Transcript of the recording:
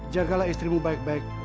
jagalah istrimu baik baik